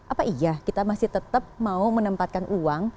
apa iya kita masih tetap mau menempatkan uang